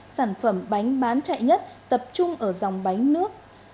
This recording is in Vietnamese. sản phẩm bánh bán chạy nhất tập trung ở dòng bánh nước